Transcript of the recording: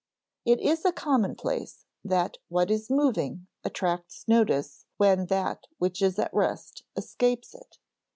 It is a commonplace that what is moving attracts notice when that which is at rest escapes it.